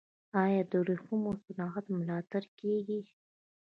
آیا د ورېښمو صنعت ملاتړ کیږي؟